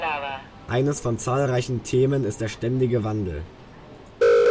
Eines von zahlreichen Themen ist der ständige Wandel.